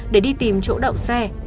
để đi tìm chỗ đậu xe